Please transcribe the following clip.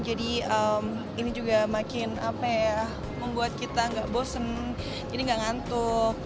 jadi ini juga makin apa ya membuat kita nggak bosen jadi nggak ngantuk